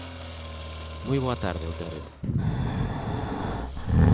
Moi boa tarde outra vez.